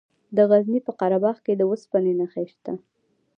د غزني په قره باغ کې د اوسپنې نښې شته.